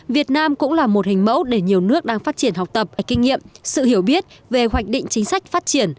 việt nam cũng là một hình mẫu để nhiều nước đang phát triển học tập kinh nghiệm sự hiểu biết về hoạch định chính sách phát triển